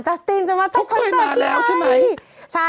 เขาเคยมาแล้วใช่ไหม